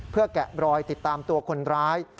แกะรอยติดตามตัวคนร้าย